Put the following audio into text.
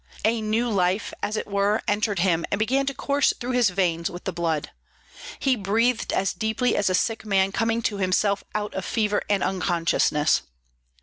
A new life, as it were, entered him and began to course through his veins with the blood. He breathed as deeply as a sick man coming to himself out of fever and unconsciousness.